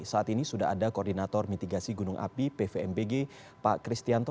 saat ini sudah ada koordinator mitigasi gunung api pvmbg pak kristianto